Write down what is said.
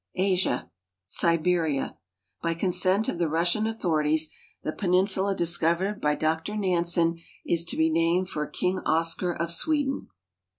ASIA SiiJiciUA. By consent of the Russian avithorities the pt ninsula discov ered by I)r Nansen is to be named fi>r King Oscar of Sweden.